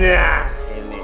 nah ini kan